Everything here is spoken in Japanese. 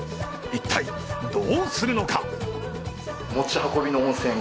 一体どうするのか。